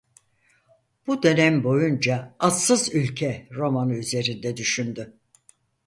Bu dönem boyunca "Adsız Ülke" romanı üzerinde düşündü.